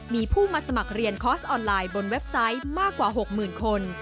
มีผู้มาสมัครเรียนคอร์สออนไลน์บนเว็บไซต์มากกว่า๖๐๐๐คน